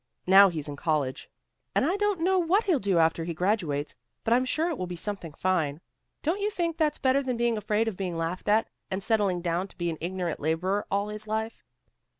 Now he's in college, and I don't know what he'll do after he graduates, but I'm sure it will be something fine. Don't you think that's better than being afraid of being laughed at, and settling down to be an ignorant laborer all his life?"